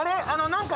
何か。